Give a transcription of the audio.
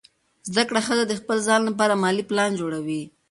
زده کړه ښځه د خپل ځان لپاره مالي پلان جوړوي.